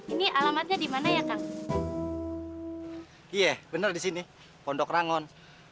ini alamatnya dimana ya iya bener di sini pondok rangon